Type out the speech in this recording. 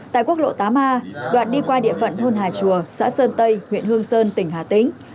tại quốc lộ tám a đoạn đi qua địa phận thôn hà chùa xã sơn tây huyện hương sơn tỉnh hà tĩnh